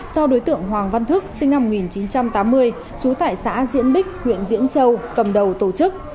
do đối tượng hoàng văn thức sinh năm một nghìn chín trăm tám mươi trú tại xã diễn bích huyện diễn châu cầm đầu tổ chức